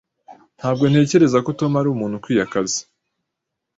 Ntabwo ntekereza ko Tom ari umuntu ukwiye akazi.